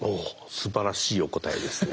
すばらしいお答えですね。